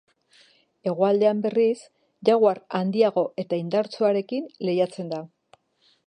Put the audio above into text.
Hegoaldean, berriz, jaguar handiago eta indartsuarekin lehiatzen da.